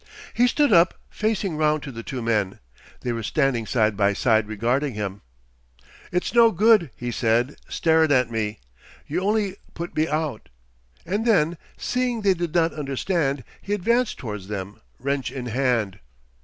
He stood up, facing round to the two men. They were standing side by side regarding him. "'It's no good," he said, "starin' at me. You only put me out." And then seeing they did not understand, he advanced towards them, wrench in hand.